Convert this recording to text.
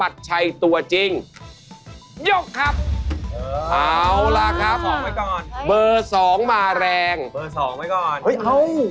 อ้าวโหเบอร์๒มาเลยเหรอ